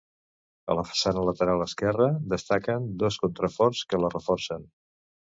A la façana lateral esquerra, destaquen dos contraforts que la reforcen.